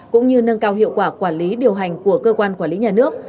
cũng như nâng cao hiệu quả quản lý điều hành của cơ quan quản lý nhà nước